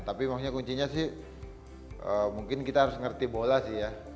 tapi maksudnya kuncinya sih mungkin kita harus ngerti bola sih ya